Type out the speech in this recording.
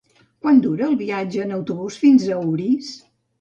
Quant dura el viatge en autobús fins a Orís?